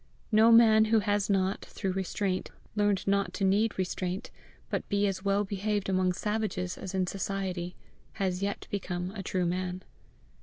No man who has not, through restraint, learned not to need restraint, but be as well behaved among savages as in society, has yet become a true man.